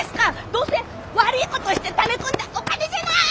どうせ悪いことしてため込んだお金じゃない！